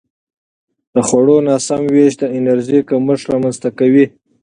د خوړو ناسم وېش د انرژي کمښت رامنځته کوي.